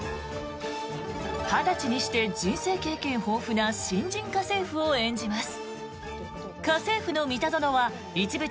２０歳にして人生経験豊富な新人家政婦を演じます。